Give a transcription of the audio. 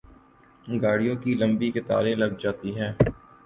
گاڑیوں کی لمبی قطاریں لگ جاتی ہیں۔